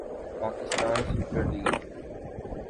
Pakistan Super league